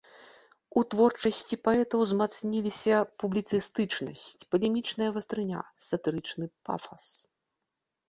У творчасці паэта ўзмацніліся публіцыстычнасць, палемічная вастрыня, сатырычны пафас.